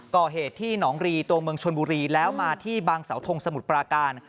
ก่อเหตุที่หนองรีตัวเมืองชนบุรีแล้วมาที่บางเสาทงสมุทรปราการ